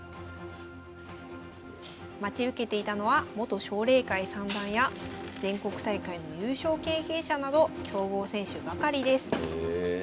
待ち受けていたのは元奨励会三段や全国大会の優勝経験者など強豪選手ばかりです。